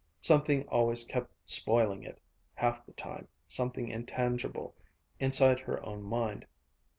Something always kept spoiling it, half the time something intangible inside her own mind.